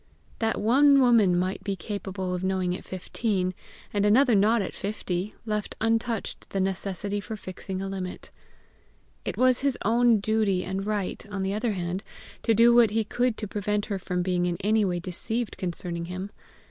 That one woman might be capable of knowing at fifteen, and another not at fifty, left untouched the necessity for fixing a limit. It was his own duty and right, on the other hand, to do what he could to prevent her from being in any way deceived concerning him.